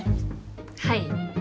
はい。